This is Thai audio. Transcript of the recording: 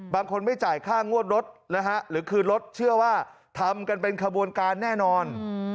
ไม่จ่ายค่างวดรถนะฮะหรือคืนรถเชื่อว่าทำกันเป็นขบวนการแน่นอน